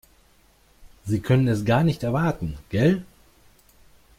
Sie können es gar nicht erwarten, gell?